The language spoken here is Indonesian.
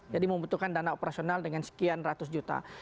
jadi membutuhkan dana operasional dengan sekian ratus juta